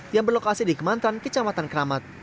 yang berlokasi di kementerian kecamatan keramat